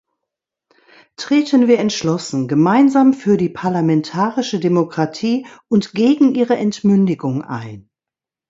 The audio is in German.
Treten wir entschlossen gemeinsam für die parlamentarische Demokratie und gegen ihre Entmündigung ein!